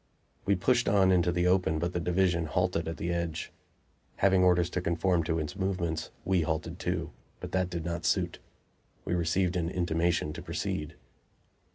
We pushed on into the open, but the division halted at the edge. Having orders to conform to its movements, we halted too; but that did not suit; we received an intimation to proceed.